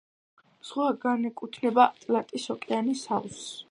ზღვა განეკუთვნება ატლანტის ოკეანის აუზს.